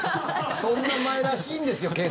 そんな前らしいんですよ